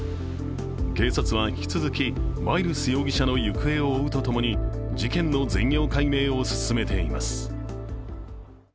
警察は引き続き、マイルス容疑者の行方を追うとともに事件の全容解明を進めています。